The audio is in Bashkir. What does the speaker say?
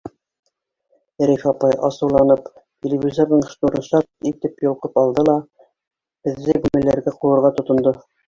— Рәйфә апай асыуланып телевизорҙың шнурын шарт итеп йолҡоп алды ла, беҙҙе бүлмәләргә ҡыуырға тотондо.